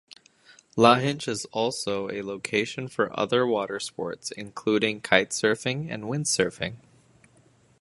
Lahinch is also a location for other watersports including kitesurfing and windsurfing.